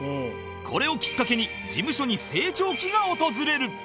これをきっかけに事務所に成長期が訪れる